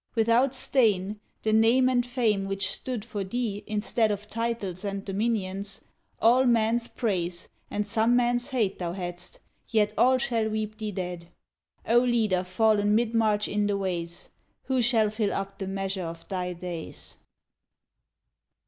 Without stain The name and fame which stood for thee in stead Of titles and dominions: all men's praise, And some men's hate thou had'st, yet all shall weep thee dead; O Leader, fallen mid march in the ways, Who shall fill up the measure of thy days!